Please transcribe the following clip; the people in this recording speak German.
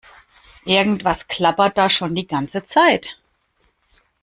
Irgendwas klappert da schon die ganze Zeit.